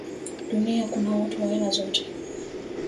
Duniani kuna watu wa aina zote